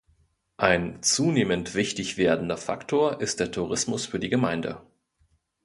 Ein zunehmend wichtig werdender Faktor ist der Tourismus für die Gemeinde.